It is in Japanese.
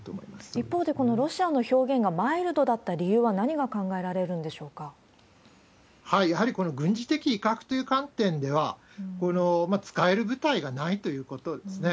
一方で、このロシアの表現がマイルドだった理由は、何が考えられるんでしやはりこの軍事的威嚇という観点では、使える部隊がないということですね。